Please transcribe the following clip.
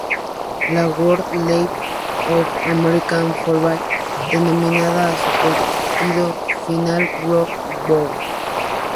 La World League of American Football denominaba a su partido final World Bowl.